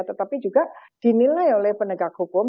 tetapi juga dinilai oleh penegak hukum